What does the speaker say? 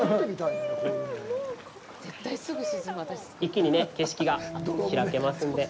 一気に景色が開けますんで。